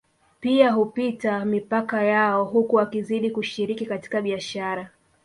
Pia hupita mipaka yao huku wakizidi kushiriki katika biashara